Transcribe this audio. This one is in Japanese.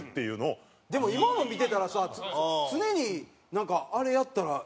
蛍原：でも、今の見てたらさ常に、あれやったら。